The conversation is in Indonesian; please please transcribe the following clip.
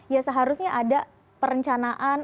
ya seharusnya ada perencanaan